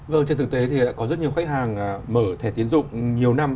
vâng trên thực tế thì đã có rất nhiều khách hàng mở thẻ tiến dụng nhiều năm